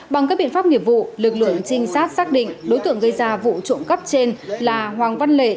bằng các biện pháp nghiệp vụ lực lượng trinh sát xác định đối tượng gây ra vụ trộm cắp trên là hoàng văn lệ